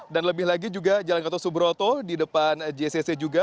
dan lebih lagi juga jalan jalan kata subroto di depan jcc juga